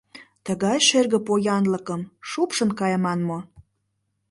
— Тыгай шерге поянлыкым шупшын кайыман мо?